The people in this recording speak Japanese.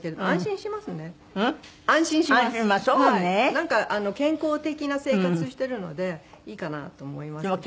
なんか健康的な生活してるのでいいかなと思いますけどね。